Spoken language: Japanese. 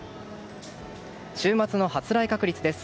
週末の発雷確率です。